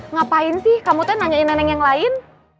ngapain sih kamu tuh nanyain neneng yang lain